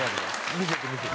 見せて見せて。